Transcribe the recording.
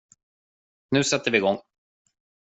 Nu sätter vi igång.